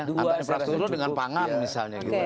antara infrastruktur dengan pangan misalnya gitu